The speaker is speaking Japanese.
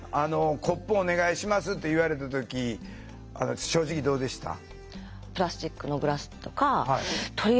コップお願いしますって言われた時正直どうでした？